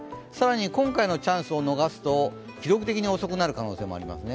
今回のチャンスを逃すと記録的に遅くなる可能性もありますね。